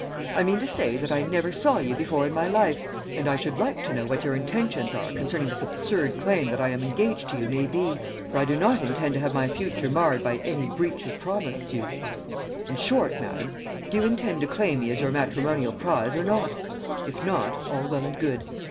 I mean to say that I never saw you before in my life, and I should like to know what your intentions are concerning this absurd claim that I am engaged to you may be, for I do not intend to have my future marred by any breach of promise suits. In short, madam, do you intend to claim me as your matrimonial prize or not? If not, all well and good.